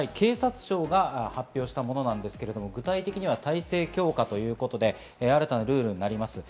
警察庁が発表したものですが、具体的な体制強化ということで新たなルールになります。